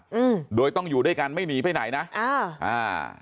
อืมโดยต้องอยู่ด้วยกันไม่หนีไปไหนนะอ่าอ่า